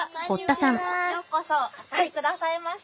ようこそお越しくださいました！